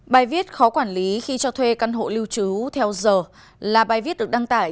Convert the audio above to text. bài viết khó quản lý khi cho thuê căn hộ lưu trú theo giờ là bài viết được đăng tải